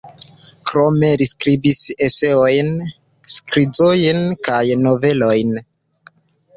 Krome li skribis eseojn, skizojn kaj novelojn.